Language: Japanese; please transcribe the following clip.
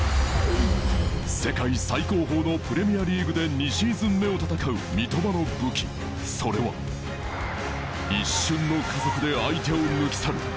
世界最高峰のプレミアリーグで２シーズン目を戦う三苫の武器それは一瞬の加速で相手を抜き去る